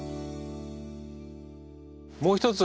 もう一つ